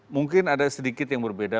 mungkin ada sedikit yang berbeda